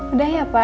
udah ya pak bu